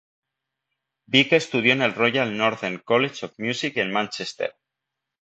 Vick estudió en el Royal Northern College of Music en Mánchester.